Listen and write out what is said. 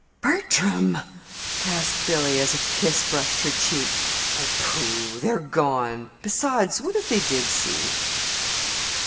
"Bertram!" gasped Billy, as a kiss brushed her cheek. "Pooh! They're gone. Besides, what if they did see?